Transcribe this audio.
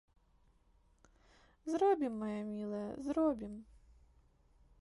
Зробім, мая мілая, зробім.